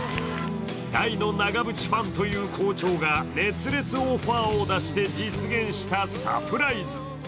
大の長渕ファンという校長が熱烈オファーを出して実現したサプライズ。